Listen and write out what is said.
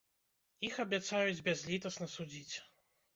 Іх абяцаюць бязлітасна судзіць.